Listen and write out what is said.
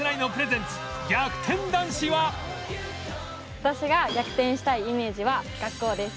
私が逆転したいイメージは学校です。